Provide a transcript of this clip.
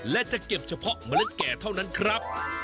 และจะเก็บเฉพาะเมล็ดแก่เท่านั้นครับ